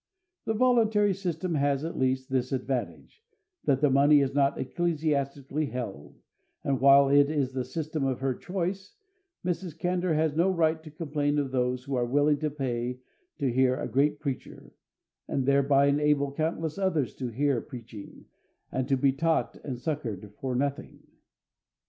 The voluntary system has, at least, this advantage, that the money is not ecclesiastically held, and while it is the system of her choice, Mrs. Candour has no right to complain of those who are willing to pay to hear a great preacher, and thereby enable countless others to hear preaching, and to be taught and succored for nothing.